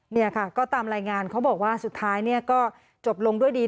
นี่ค่ะก็ตามรายงานเขาบอกว่าสุดท้ายเนี่ยก็จบลงด้วยดี